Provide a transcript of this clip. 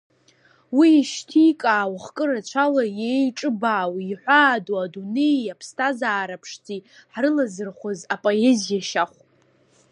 Уи ишьҭикаауа хкы рацәала иеиҿыбаау, иҳәаадоу адунеии аԥсҭазаара ԥшӡеи ҳрылазырхәыз апоезиа шьахә!